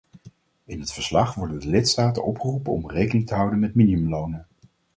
In het verslag worden de lidstaten opgeroepen om rekening te houden met minimumlonen.